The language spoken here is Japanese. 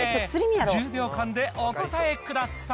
１０秒間でお答えください。